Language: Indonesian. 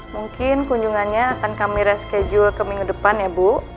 mungkin kunjungannya akan kami reschedule ke minggu depan ya bu